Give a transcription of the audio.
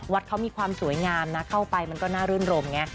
วัดเขามีความสวยงามนะเข้าไปมันก็น่ารื่นรมไง